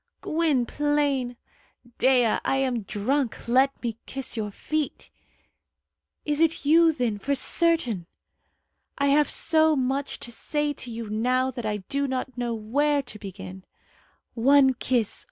"Gwynplaine!" "Dea, I am drunk. Let me kiss your feet." "Is it you, then, for certain?" "I have so much to say to you now that I do not know where to begin." "One kiss!"